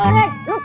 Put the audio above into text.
baiklah oh my god